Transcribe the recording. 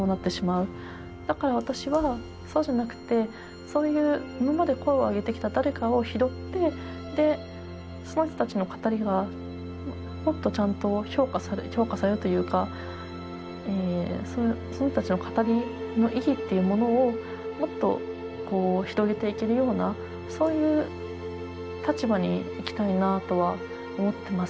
だから私はそうじゃなくてそういう今まで声を上げてきた誰かを拾ってその人たちの語りがもっとちゃんと評価される評価されるというかその人たちの語りの意義っていうものをもっと広げていけるようなそういう立場にいきたいなとは思ってます。